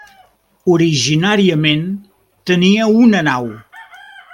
Originàriament tenia una nau.